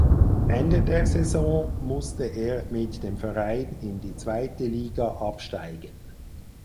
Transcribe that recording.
Ende der Saison musste er mit dem Verein in die Zweite Liga absteigen.